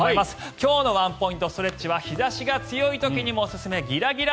今日のワンポイントストレッチは日差しが強い時にもおすすめギラギラ